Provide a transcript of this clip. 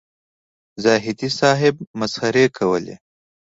زاهدي صاحب مسخرې کولې.